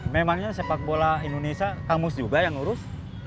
memangnya sepak bola indonesia kang mus juga yang urus